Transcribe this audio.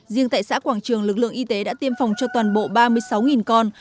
riêng tại xã quảng trường lực lượng y tế đã tiêm phòng cho toàn bộ ba mươi sáu con